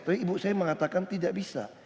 tapi ibu saya mengatakan tidak bisa